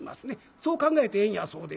そう考えてええんやそうで。